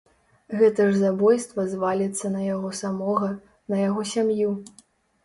Гэта ж забойства зваліцца на яго самога, на яго сям'ю.